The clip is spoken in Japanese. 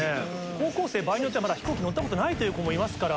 高校生場合によっちゃまだ飛行機乗ったことないという子もいますから。